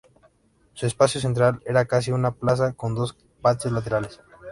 Su espacio central era casi una plaza, con dos patios laterales.